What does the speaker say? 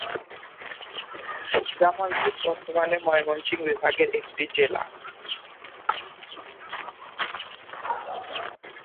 জামালপুর বর্তমানে ময়মনসিংহ বিভাগের একটি জেলা।